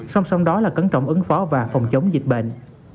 song song đó là cẩn trọng ứng phó và phòng chống dịch bệnh